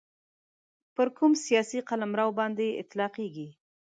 پر کوم سیاسي قلمرو باندي نه اطلاقیږي.